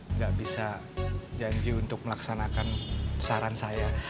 nggak bisa janji untuk melaksanakan saran saya